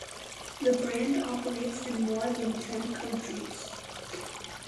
The brand operates in more than ten countries.